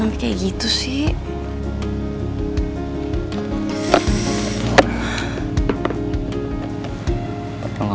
mana kotak p tiga k nya